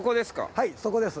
はいそこです。